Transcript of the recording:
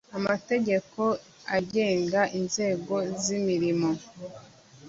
amategeko agenga inzego z imirimo